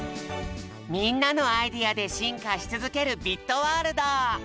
みんなのアイデアでしんかしつづける「ビットワールド」。